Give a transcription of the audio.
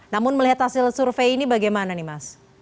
namun melihat hasil survei ini bagaimana nih mas